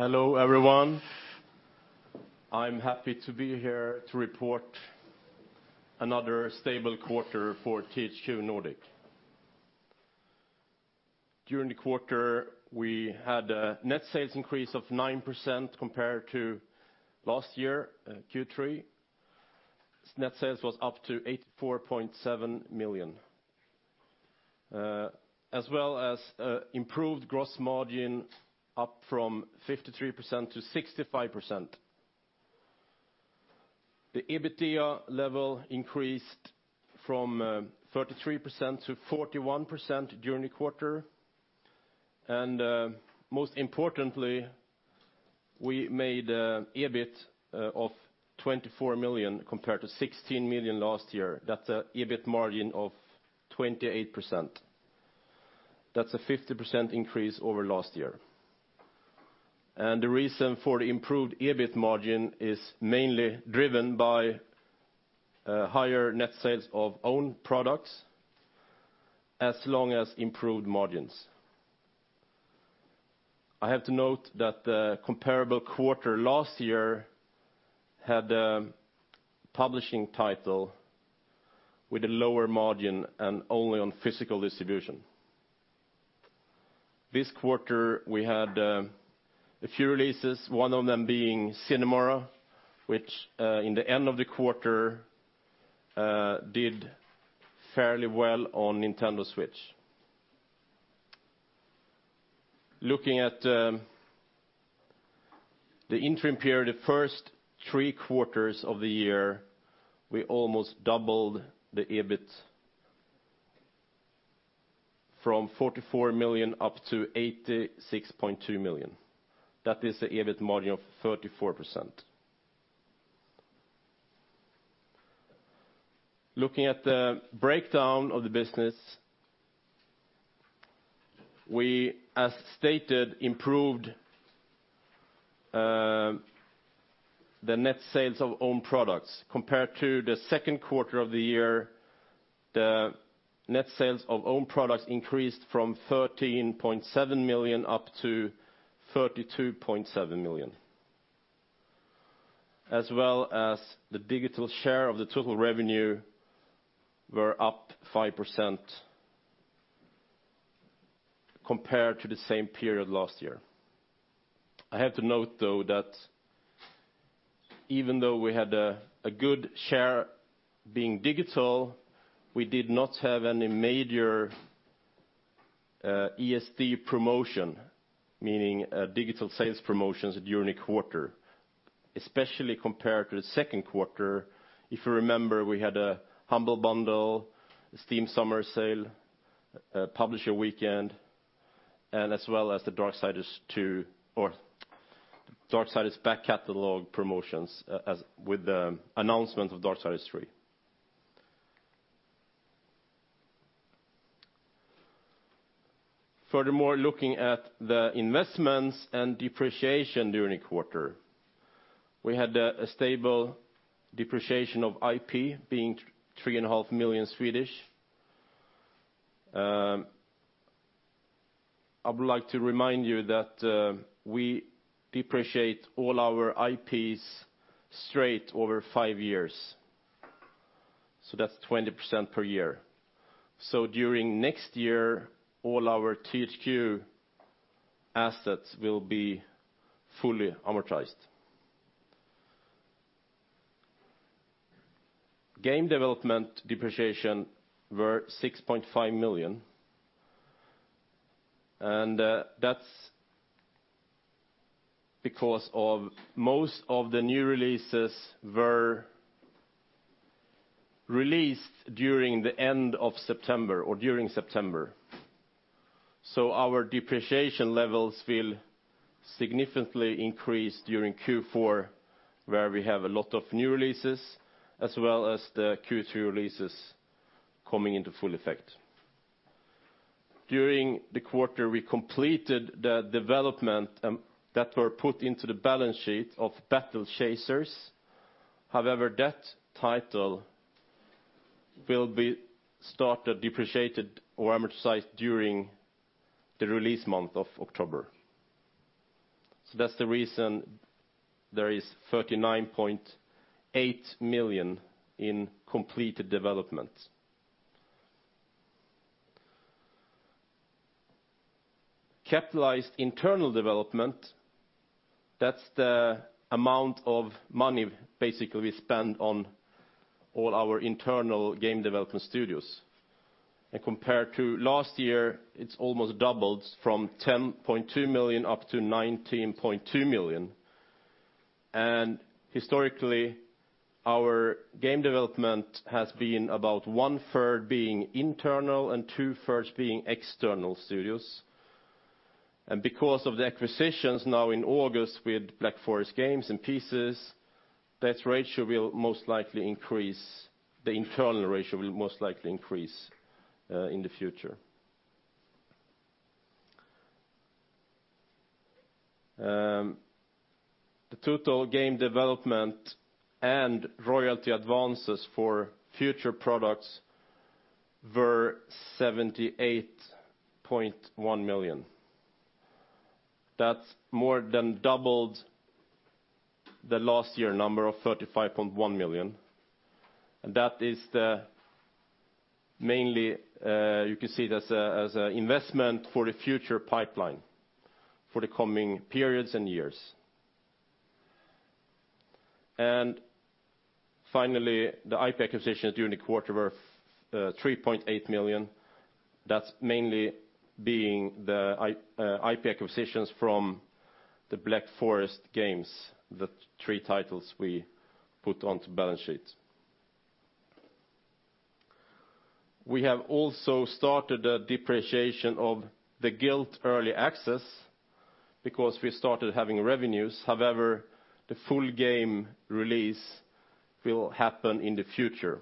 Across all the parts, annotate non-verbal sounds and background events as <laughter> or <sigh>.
Hello, everyone. I'm happy to be here to report another stable quarter for THQ Nordic. During the quarter, we had a net sales increase of 9% compared to last year, Q3. Net sales was up to 84.7 million, as well as improved gross margin up from 53% to 65%. The EBITDA level increased from 33% to 41% during the quarter. Most importantly, we made EBIT of 24 million compared to 16 million last year. That's an EBIT margin of 28%. That's a 50% increase over last year. The reason for the improved EBIT margin is mainly driven by higher net sales of own products, as long as improved margins. I have to note that the comparable quarter last year had a publishing title with a lower margin and only on physical distribution. This quarter we had a few releases, one of them being "Sine Mora," which in the end of the quarter did fairly well on Nintendo Switch. Looking at the interim period, the first three quarters of the year, we almost doubled the EBIT from 44 million up to 86.2 million. That is the EBIT margin of 34%. Looking at the breakdown of the business, we, as stated, improved the net sales of own products. Compared to the second quarter of the year, the net sales of own products increased from 13.7 million up to 32.7 million, as well as the digital share of the total revenue were up 5% compared to the same period last year. I have to note, though, that even though we had a good share being digital, we did not have any major ESD promotion, meaning digital sales promotions during the quarter. Especially compared to the second quarter, if you remember, we had a Humble Bundle, Steam Summer Sale, Publisher Weekend, as well as the "Darksiders" back catalog promotions with the announcement of "Darksiders III." Looking at the investments and depreciation during the quarter, we had a stable depreciation of IP being 3.5 million. I would like to remind you that we depreciate all our IPs straight over five years, so that's 20% per year. During next year, all our THQ assets will be fully amortized. Game development depreciation were 6.5 million, that's because of most of the new releases were released during the end of September or during September. Our depreciation levels will significantly increase during Q4, where we have a lot of new releases as well as the Q3 releases coming into full effect. During the quarter, we completed the development that were put into the balance sheet of "Battle Chasers." However, that title will be started depreciated or amortized during the release month of October. That's the reason there is 39.8 million in completed development. Capitalized internal development, that's the amount of money basically we spend on all our internal game development studios. Compared to last year, it's almost doubled from 10.2 million up to 19.2 million. Historically, our game development has been about one-third being internal and two-thirds being external studios. Because of the acquisitions now in August with Black Forest Games and Pieces, that ratio will most likely increase. The internal ratio will most likely increase in the future. The total game development and royalty advances for future products were 78.1 million. That's more than doubled the last year number of 35.1 million, and that is mainly you can see it as an investment for the future pipeline for the coming periods and years. Finally, the IP acquisitions during the quarter were 3.8 million. That's mainly being the IP acquisitions from Black Forest Games, the three titles we put onto balance sheet. We have also started a depreciation of The Guild 3 early access because we started having revenues. However, the full game release will happen in the future.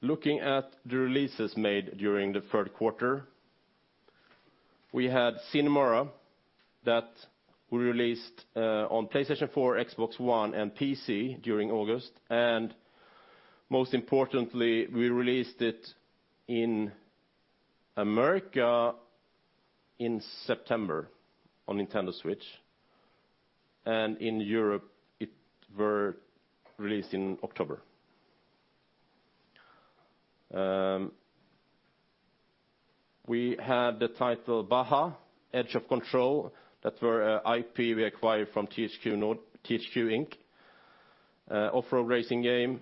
Looking at the releases made during the third quarter, we had Sine Mora EX that we released on PlayStation 4, Xbox One, and PC during August. Most importantly, we released it in America in September on Nintendo Switch, and in Europe it were released in October. We had the title Baja: Edge of Control that were IP we acquired from THQ Inc. Off-road racing game.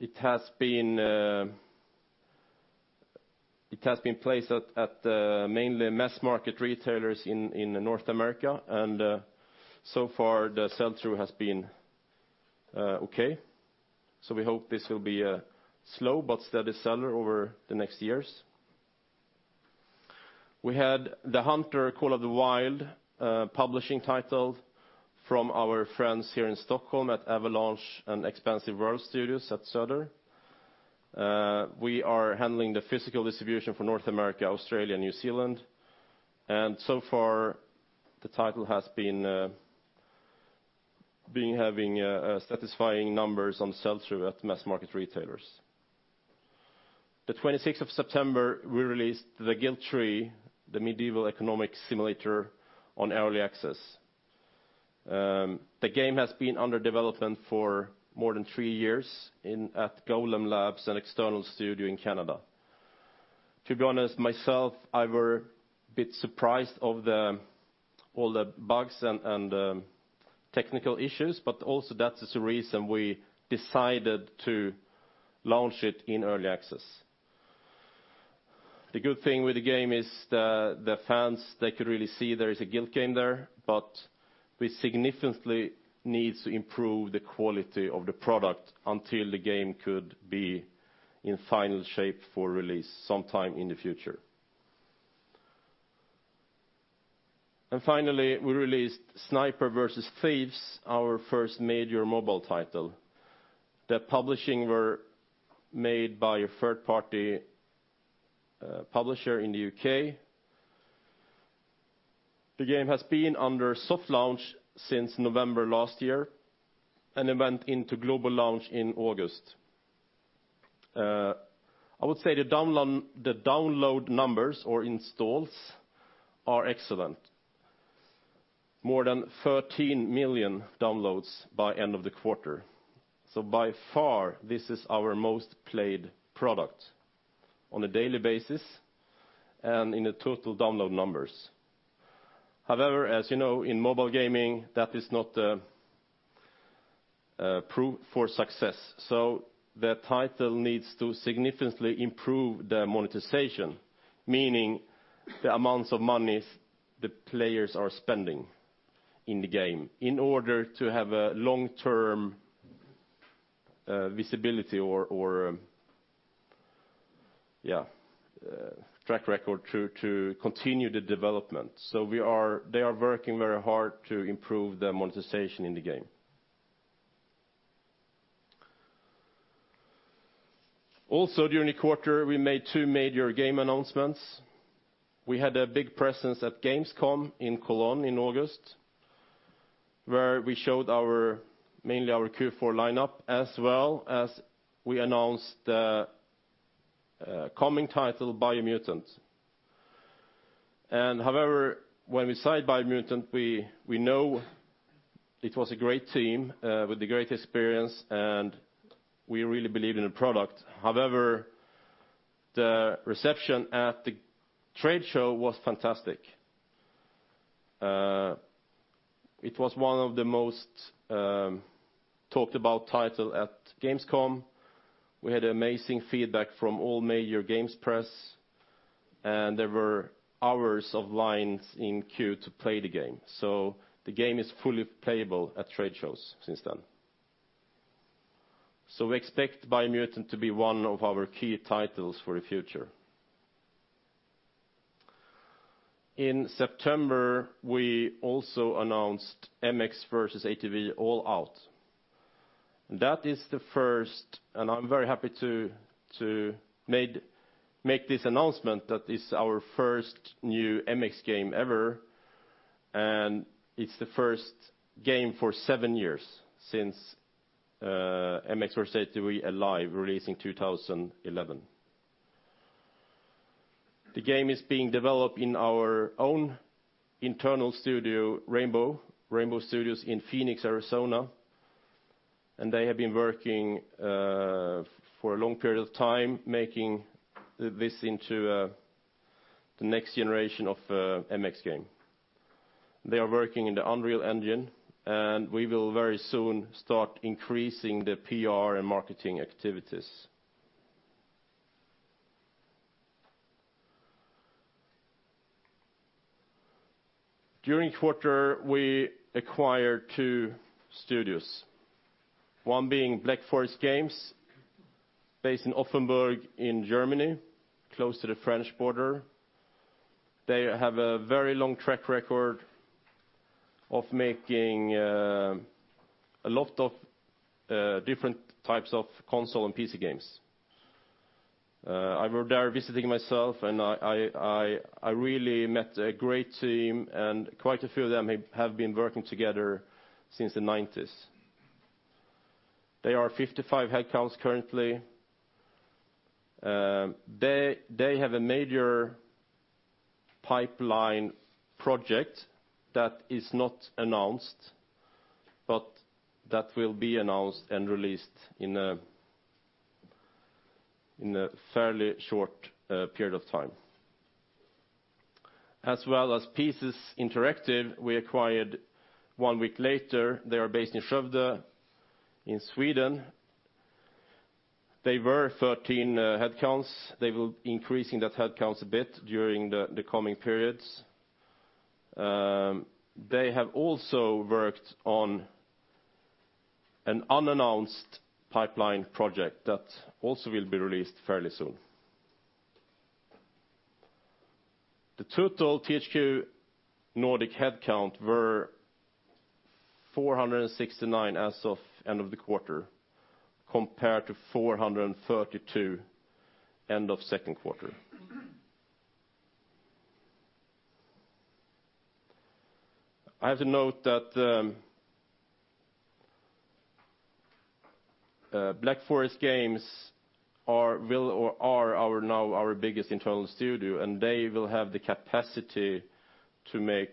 It has been placed at the mainly mass market retailers in North America. So far the sell-through has been okay. We hope this will be a slow but steady seller over the next years. We had theHunter: Call of the Wild publishing title from our friends here in Stockholm at Avalanche Studios and Expansive Worlds at Söder. We are handling the physical distribution for North America, Australia, New Zealand. So far the title has been having satisfying numbers on sell-through at mass market retailers. The 26th of September, we released The Guild 3, the medieval economic simulator on early access. The game has been under development for more than three years at GolemLabs and external studio in Canada. To be honest, myself, I were a bit surprised of all the bugs and the technical issues. Also that is the reason we decided to launch it in early access. The good thing with the game is the fans, they could really see there is a Guild game there, but we significantly needs to improve the quality of the product until the game could be in final shape for release sometime in the future. Finally, we released Snipers vs Thieves, our first major mobile title. The publishing were made by a third-party publisher in the U.K. The game has been under soft launch since November last year. It went into global launch in August. I would say the download numbers or installs are excellent. More than 13 million downloads by end of the quarter. By far, this is our most played product on a daily basis and in the total download numbers. However, as you know, in mobile gaming, that is not proof for success. The title needs to significantly improve the monetization, meaning the amounts of monies the players are spending in the game in order to have a long-term visibility or track record to continue the development. They are working very hard to improve the monetization in the game. Also, during the quarter, we made two major game announcements. We had a big presence at Gamescom in Cologne in August, where we showed mainly our Q4 lineup, as well as we announced the coming title, Biomutant. However, when we signed Biomutant, we know it was a great team with the great experience. We really believe in the product. However, the reception at the trade show was fantastic. It was one of the most talked about titles at Gamescom. We had amazing feedback from all major games press. There were hours of lines in queue to play the game. The game is fully playable at trade shows since then. We expect Biomutant to be one of our key titles for the future. In September, we also announced MX vs. ATV All Out. That is the first, and I'm very happy to make this announcement, that it's our first new MX game ever, and it's the first game for seven years since MX vs. ATV Alive released in 2011. The game is being developed in our own internal studio, Rainbow Studios in Phoenix, Arizona. They have been working for a long period of time making this into the next generation of MX game. They are working in the Unreal Engine. We will very soon start increasing the PR and marketing activities. During the quarter, we acquired two studios, one being Black Forest Games based in Offenburg in Germany, close to the French border. I went there visiting myself, and I really met a great team, and quite a few of them have been working together since the '90s. They are 55 headcounts currently. They have a major pipeline project that is not announced, but that will be announced and released in a fairly short period of time. As well as Pieces Interactive, we acquired one week later. They are based in Skövde in Sweden. They were 13 headcounts. They will be increasing that headcount a bit during the coming periods. They have also worked on an unannounced pipelined project that also will be released fairly soon. The total THQ Nordic headcount was 469 as of end of the quarter, compared to 432 end of second quarter. I have to note that Black Forest Games is now our biggest internal studio, and they will have the capacity to make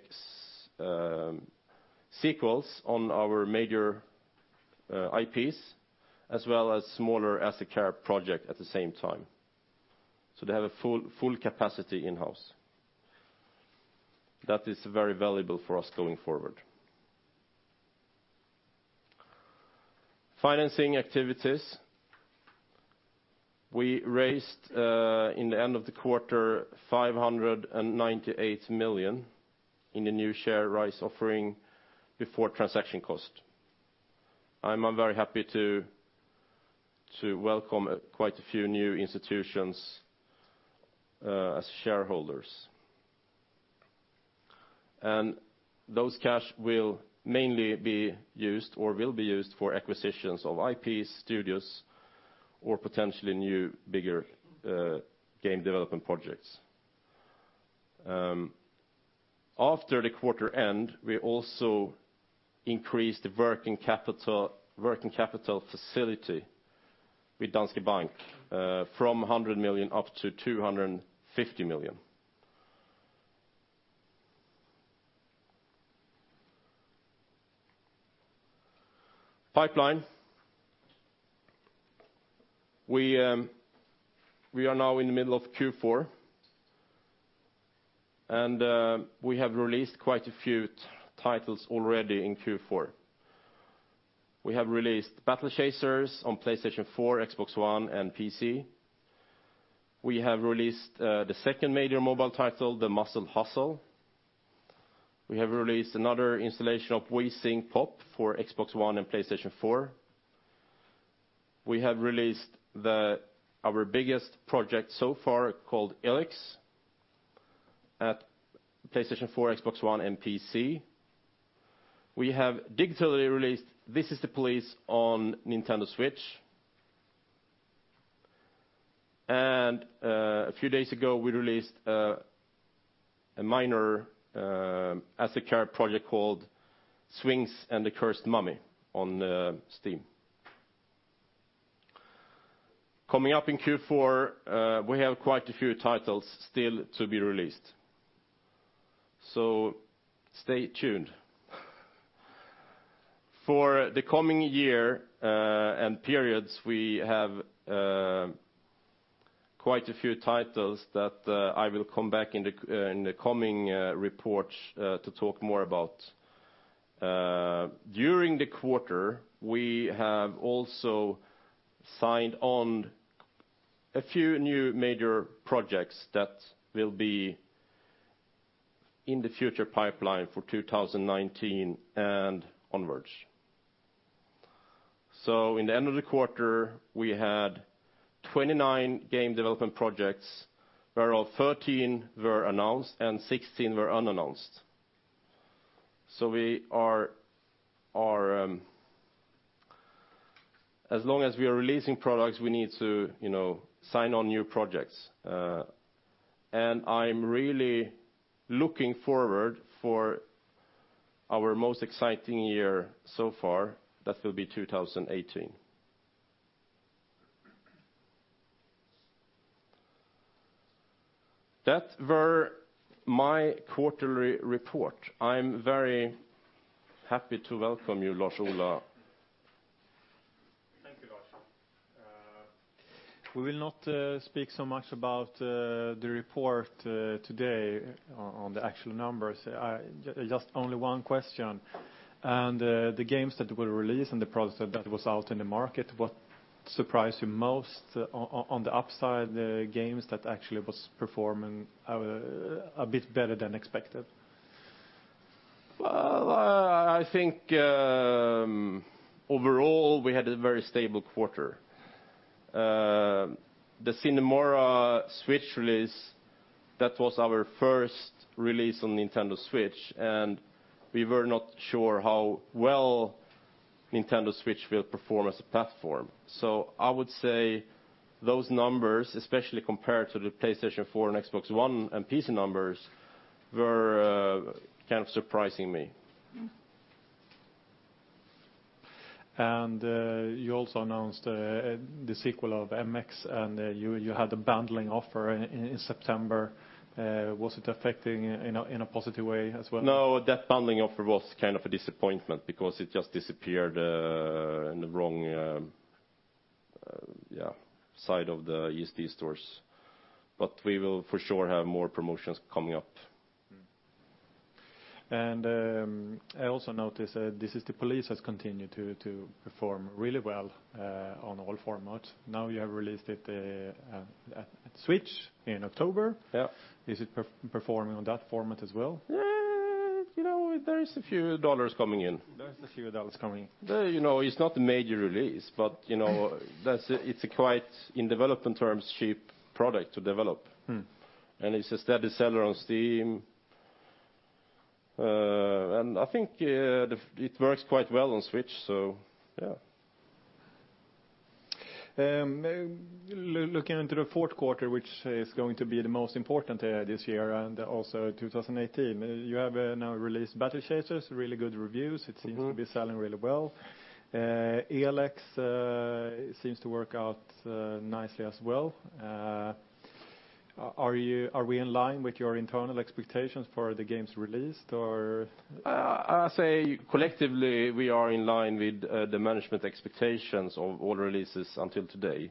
sequels on our major IPs as well as smaller as a care project at the same time. They have a full capacity in-house. That is very valuable for us going forward. Financing activities. We raised, in the end of the quarter, 598 million in the new share issue offering before transaction cost. I'm very happy to welcome quite a few new institutions as shareholders. Those cash will mainly be used or will be used for acquisitions of IP studios or potentially new, bigger game development projects. After the quarter end, we also increased the working capital facility with Danske Bank from 100 million up to 250 million. Pipeline. We are now in the middle of Q4. We have released quite a few titles already in Q4. We have released Battle Chasers on PlayStation 4, Xbox One, and PC. We have released the second major mobile title, The Muscle Hustle. We have released another installation of We Sing Pop! for Xbox One and PlayStation 4. We have released our biggest project so far called ELEX on PlayStation 4, Xbox One, and PC. We have digitally released This Is the Police on Nintendo Switch. A few days ago, we released a minor as a care project called Sphinx and the Cursed Mummy on Steam. Coming up in Q4, we have quite a few titles still to be released. Stay tuned. For the coming year and periods, we have quite a few titles that I will come back in the coming reports to talk more about. During the quarter, we have also signed on a few new major projects that will be in the future pipeline for 2019 and onwards. In the end of the quarter, we had 29 game development projects, where all 13 were announced and 16 were unannounced. As long as we are releasing products, we need to sign on new projects. I'm really looking forward for our most exciting year so far. That will be 2018. That were my quarterly report. I'm very happy to welcome you, Lars-Ola. Thank you, Lars. We will not speak so much about the report today on the actual numbers. Just only one question. The games that were released and the products that was out in the market, what surprised you most on the upside games that actually was performing a bit better than expected? Well, I think overall, we had a very stable quarter. The Sine Mora Switch release, that was our first release on Nintendo Switch, and we were not sure how well Nintendo Switch will perform as a platform. I would say those numbers, especially compared to the PlayStation 4 and Xbox One and PC numbers, were kind of surprising me. You also announced the sequel of MX, and you had the bundling offer in September. Was it affecting in a positive way as well? No, that bundling offer was kind of a disappointment because it just disappeared in the wrong side of the ESD stores. We will for sure have more promotions coming up. I also noticed This Is the Police has continued to perform really well on all formats. Now you have released it at Switch in October. Yeah. Is it performing on that format as well? There is a few SEK coming in. There's a few dollars coming in. It's not a major release, it's a quite, in development terms, cheap product to develop. It's a steady seller on Steam. I think it works quite well on Switch, yeah. Looking into the fourth quarter, which is going to be the most important this year and also 2018, you have now released Battle Chasers, really good reviews. It seems to be selling really well. ELEX seems to work out nicely as well. Are we in line with your internal expectations for the games released, or? I say collectively we are in line with the management expectations of all releases until today.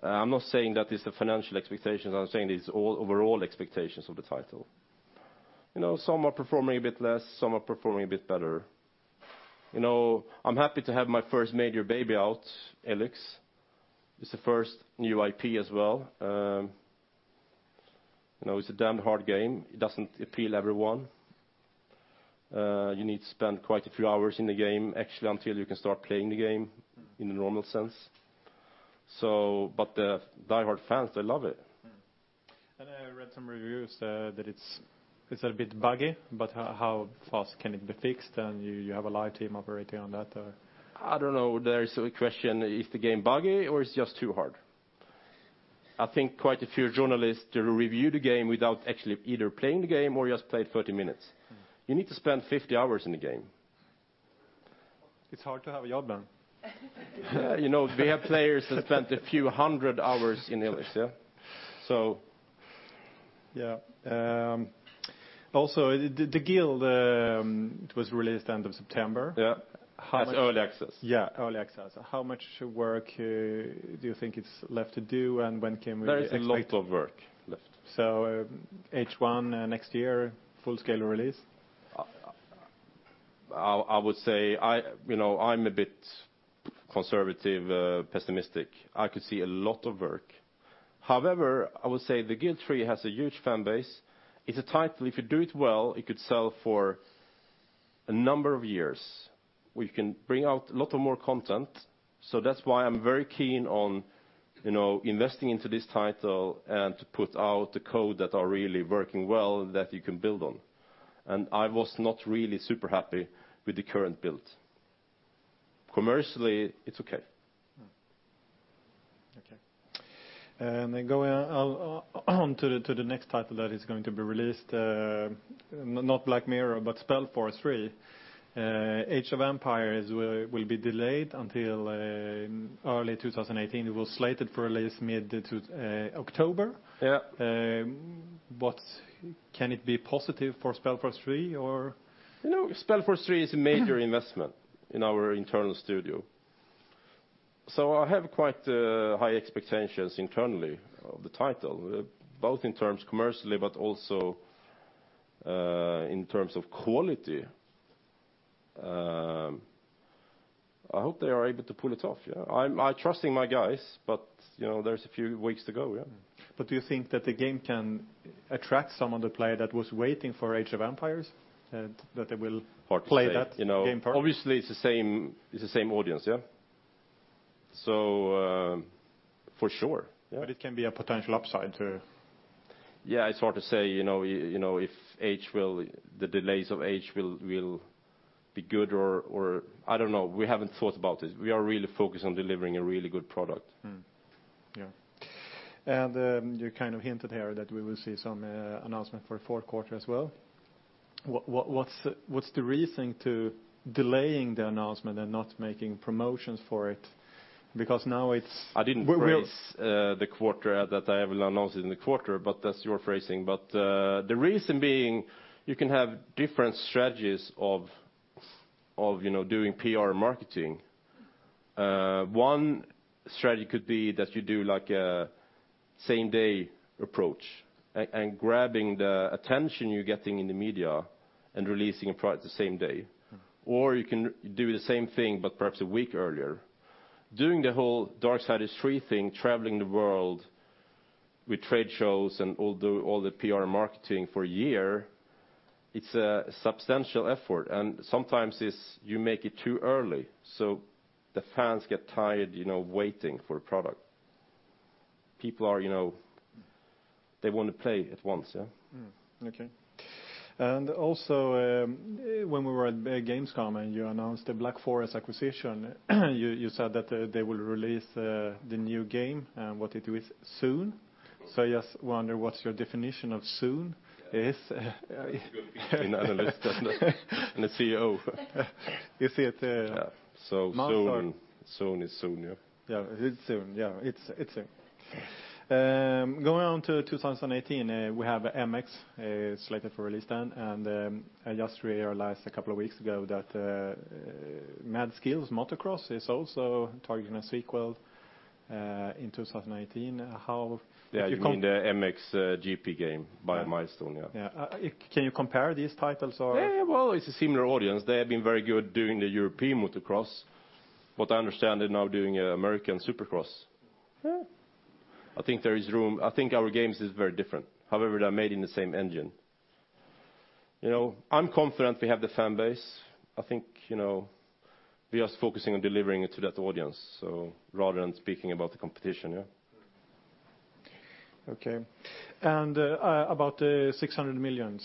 I'm not saying that it's the financial expectations, I'm saying it's all overall expectations of the title. Some are performing a bit less, some are performing a bit better. I'm happy to have my first major baby out, ELEX. It's the first new IP as well. It's a damn hard game. It doesn't appeal everyone. You need to spend quite a few hours in the game actually until you can start playing the game in the normal sense. The diehard fans, they love it. Mm-hmm. I read some reviews that it's a bit buggy, how fast can it be fixed, you have a live team operating on that, or? I don't know. There is a question, is the game buggy or it's just too hard? I think quite a few journalists review the game without actually either playing the game or just played 30 minutes. You need to spend 50 hours in the game. It's hard to have a job then. We have players that spent a few hundred hours in ELEX, yeah. Yeah. Also, The Guild, it was released end of September. Yeah. As early access. Yeah, early access. How much work do you think it's left to do, and when can we expect? There is a lot of work left. H1 next year, full scale release? I would say, I'm a bit conservative, pessimistic. I could see a lot of work. However, I would say The Guild 3 has a huge fan base. It's a title if you do it well, it could sell for a number of years. We can bring out a lot of more content, that's why I'm very keen on investing into this title and to put out the code that are really working well that you can build on. I was not really super happy with the current build. Commercially, it's okay. Okay. Going on to the next title that is going to be released, not Black Mirror, but SpellForce 3. Age of Empires will be delayed until early 2018. It was slated for release mid October. Yeah. Can it be positive for SpellForce 3, or? SpellForce 3 is a major investment in our internal studio. I have quite high expectations internally of the title, both in terms commercially, but also in terms of quality. I hope they are able to pull it off, yeah. I trust in my guys, but there's a few weeks to go, yeah. Do you think that the game can attract some of the player that was waiting for Age of Empires, that they will play that game first? Obviously, it's the same audience, yeah for sure. Yeah. It can be a potential upside too. Yeah, it's hard to say, if the delays of Age will be good or I don't know. We haven't thought about it. We are really focused on delivering a really good product. Mm-hmm. Yeah. You kind of hinted here that we will see some announcement for the fourth quarter as well. What's the reasoning to delaying the announcement and not making promotions for it? I didn't phrase the quarter that I will announce it in the quarter, but that's your phrasing. The reason being, you can have different strategies of doing PR and marketing. One strategy could be that you do a same day approach, and grabbing the attention you're getting in the media and releasing a product the same day. You can do the same thing, but perhaps a week earlier. Doing the whole Darksiders III thing, traveling the world with trade shows and all the PR and marketing for a year, it's a substantial effort, and sometimes you make it too early, so the fans get tired waiting for a product. People, they want to play at once, yeah. Mm-hmm. Okay. Also, when we were at Gamescom and you announced the Black Forest acquisition, you said that they will release the new game and what they do is soon. I just wonder what your definition of soon is? It's a good question, analyst and a CEO. You see it Soon is soon. Yeah. Yeah, it's soon. Going on to 2018, we have "MX" slated for release then, and I just realized a couple of weeks ago that "Mad Skills Motocross" is also targeting a sequel in 2019. Yeah, you mean the MXGP game by Milestone, yeah. Yeah. Can you compare these titles? Yeah. Well, it's a similar audience. They have been very good doing the European Motocross. What I understand they're now doing a American Supercross. Yeah. I think our games is very different. However, they are made in the same engine. I'm confident we have the fan base. I think we are focusing on delivering it to that audience, rather than speaking about the competition, yeah. Okay. About the 600 million,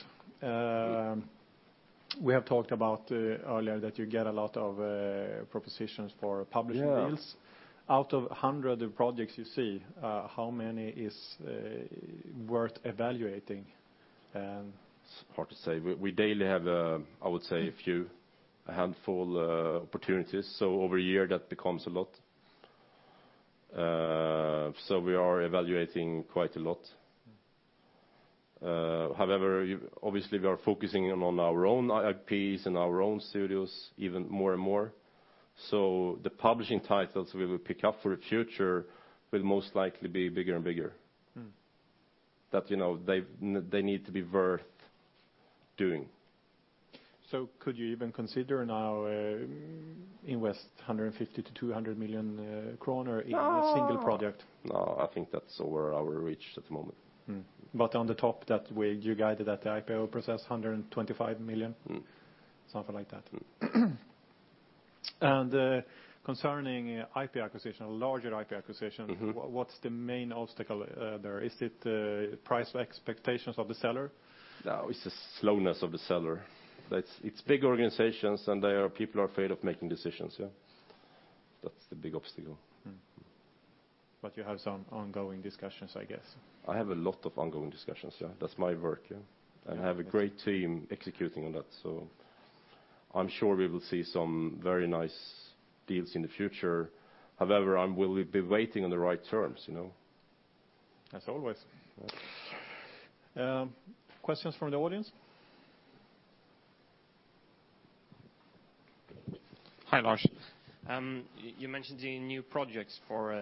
we have talked about earlier that you get a lot of propositions for publishing deals. Yeah. Out of 100 projects you see, how many is worth evaluating? It's hard to say. We daily have, I would say a few, a handful opportunities. Over a year, that becomes a lot. We are evaluating quite a lot. However, obviously we are focusing in on our own IPs and our own studios even more and more. The publishing titles we will pick up for the future will most likely be bigger and bigger. That they need to be worth doing. Could you even consider now invest 150 million-200 million kronor in a single project? No, I think that's over our reach at the moment. On the top that you guided at the IPO process, 125 million? Something like that. Concerning IP acquisition, a larger IP acquisition- What's the main obstacle there? Is it the price expectations of the seller? No, it's the slowness of the seller. It's big organizations, and there are people who are afraid of making decisions, yeah. That's the big obstacle. Mm-hmm. You have some ongoing discussions, I guess? I have a lot of ongoing discussions, yeah. That's my work, yeah. I have a great team executing on that, so I'm sure we will see some very nice deals in the future. However, we'll be waiting on the right terms. As always. Questions from the audience? Hi, Lars. You mentioned the new projects for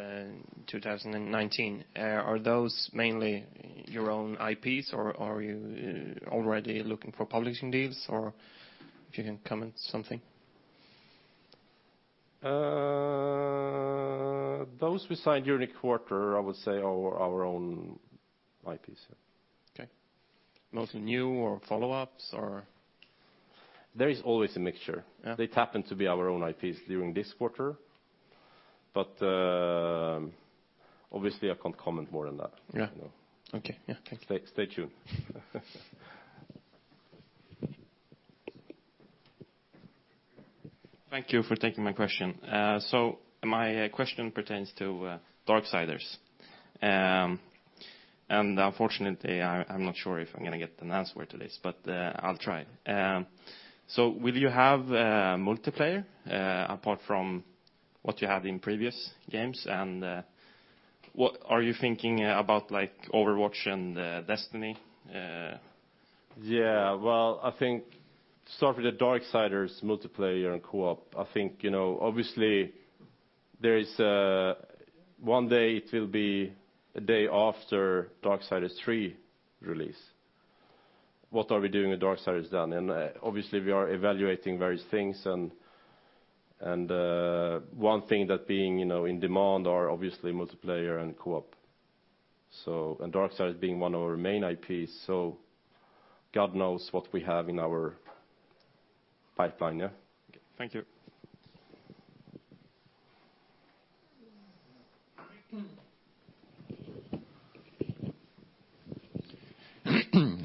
2019. Are those mainly your own IPs, or are you already looking for publishing deals? If you can comment something. Those we signed during the quarter, I would say, are our own IPs, yeah. Okay. Mostly new or follow-ups, or? There is always a mixture. Yeah. They happen to be our own IPs during this quarter, but obviously I can't comment more on that. Yeah. Okay. Yeah. Thank you. Stay tuned. Thank you for taking my question. My question pertains to Darksiders. Unfortunately, I'm not sure if I'm going to get an answer to this, but I'll try. Will you have multiplayer apart from what you have in previous games, and are you thinking about Overwatch and Destiny? Yeah. Well, I think to start with the Darksiders multiplayer and co-op, I think obviously one day it will be a day after Darksiders III release. What are we doing when Darksiders is done? Obviously we are evaluating various things, and one thing that being in demand are obviously multiplayer and co-op. Darksiders being one of our main IPs, God knows what we have in our. Pipeline, yeah? Okay.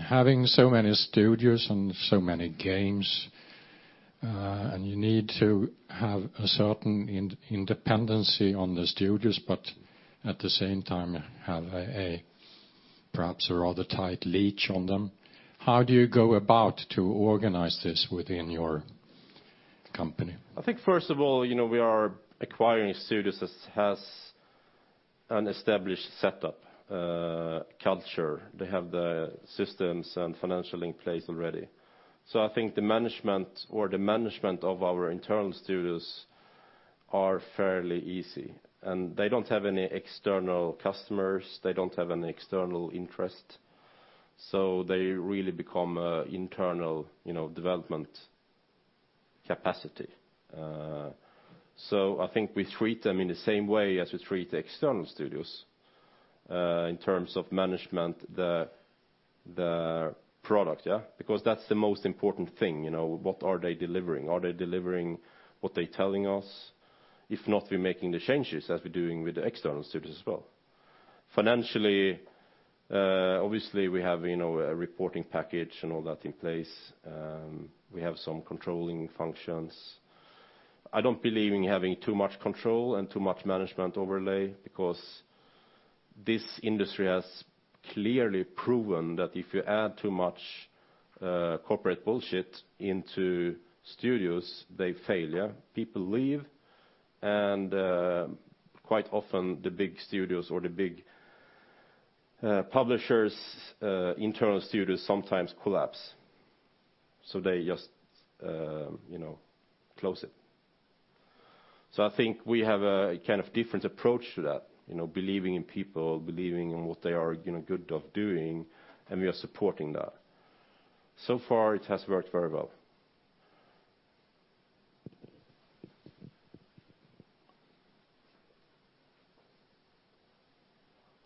Thank you. Having so many studios and so many games, You need to have a certain independency on the studios, but at the same time have perhaps a rather tight leash on them. How do you go about to organize this within your company? I think first of all, we are acquiring studios that have an established setup, culture. They have the systems and financial in place already. I think the management of our internal studios are fairly easy. They don't have any external customers, they don't have any external interest, They really become internal development capacity. I think we treat them in the same way as we treat external studios, in terms of management the product. Because that's the most important thing. What are they delivering? Are they delivering what they're telling us? If not, we're making the changes as we're doing with the external studios as well. Financially, obviously we have a reporting package and all that in place. We have some controlling functions. I don't believe in having too much control and too much management overlay because this industry has clearly proven that if you add too much corporate bullshit into studios, they fail. People leave and, quite often, the big studios or the big publishers' internal studios sometimes collapse. They just close it. I think we have a different approach to that. Believing in people, believing in what they are good of doing, and we are supporting that. Far it has worked very well.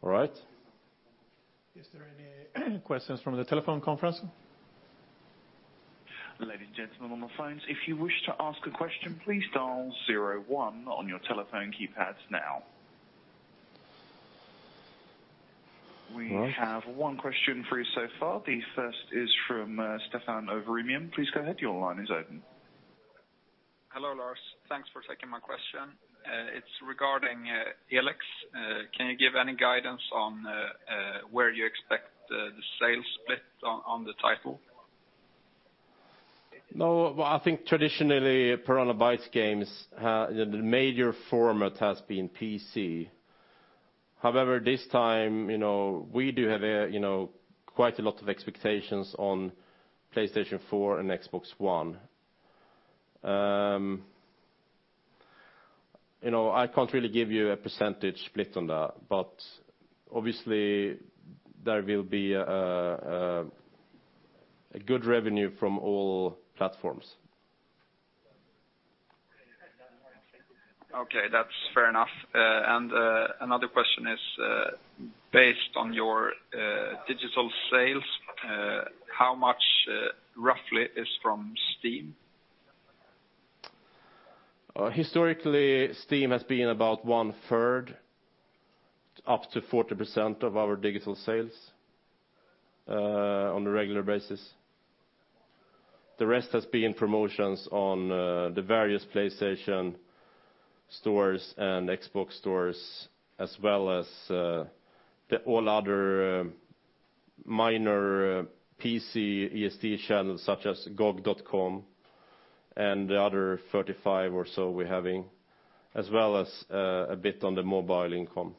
All right. Is there any questions from the telephone conference? Ladies and gentlemen on the phones, if you wish to ask a question, please dial 01 on your telephone keypads now. We have one question for you so far. The first is from [Stefan]. <inaudible> Please go ahead. Your line is open. Hello, Lars. Thanks for taking my question. It's regarding ELEX. Can you give any guidance on where you expect the sales split on the title? No. Well, I think traditionally Piranha Bytes games, the major format has been PC. This time, we do have quite a lot of expectations on PlayStation 4 and Xbox One. I can't really give you a percentage split on that, obviously there will be a good revenue from all platforms. Okay, that's fair enough. Another question is, based on your digital sales, how much, roughly, is from Steam? Historically, Steam has been about one third, up to 40%, of our digital sales on a regular basis. The rest has been promotions on the various PlayStation stores and Xbox stores, as well as the all other minor PC ESD channels such as GOG.com and the other 35 or so we're having, as well as a bit on the mobile income.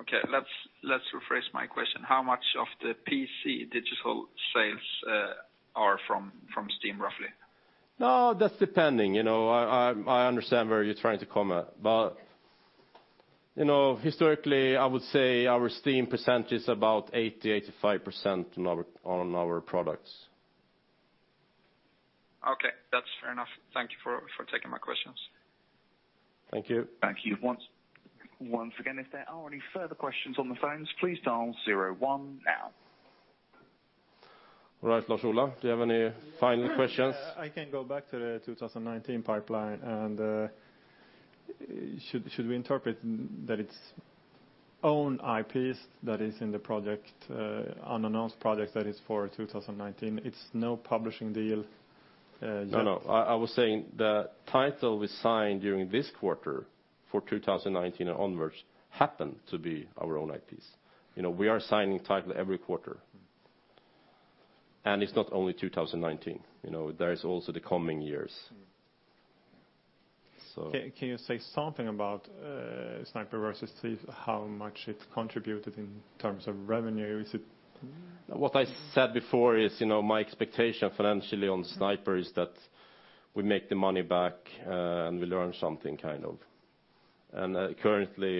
Okay, let's rephrase my question. How much of the PC digital sales are from Steam, roughly? That's depending. I understand where you're trying to come at. Historically, I would say our Steam percentage is about 80%-85% on our products. Okay. That's fair enough. Thank you for taking my questions. Thank you. Thank you. Once again, if there are any further questions on the phones, please dial 01 now. All right, Lars-Ola, do you have any final questions? Yeah. I can go back to the 2019 pipeline, should we interpret that it's own IPs that is in the unannounced project that is for 2019? It's no publishing deal? No, no. I was saying the title we signed during this quarter for 2019 and onwards happened to be our own IPs. We are signing title every quarter. It's not only 2019, there is also the coming years. Can you say something about Snipers vs Thieves, how much it contributed in terms of revenue? What I said before is my expectation financially on Sniper is that we make the money back, and we learn something. Currently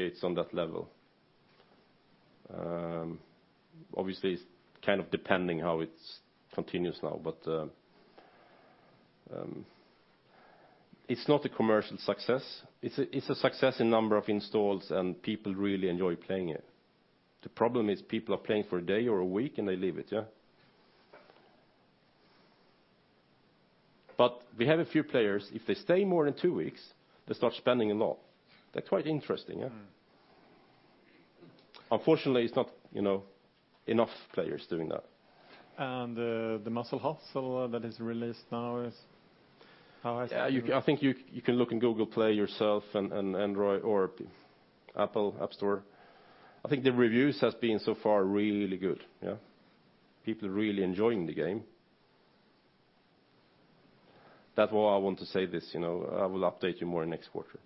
it's on that level. Obviously it's depending how it continues now. It's not a commercial success. It's a success in number of installs, and people really enjoy playing it. The problem is people are playing for a day or a week, and they leave it. Yeah. We have a few players, if they stay more than two weeks, they start spending a lot. That's quite interesting, yeah? Unfortunately, it's not enough players doing that. The Muscle Hustle that is released now is? How is it? Yeah, I think you can look in Google Play yourself, and Android or Apple App Store. I think the reviews has been so far really good. Yeah. People are really enjoying the game. That's why I want to say this. I will update you more next quarter.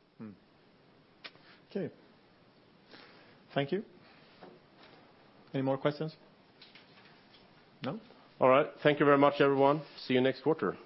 Okay. Thank you. Any more questions? No? All right. Thank you very much, everyone. See you next quarter.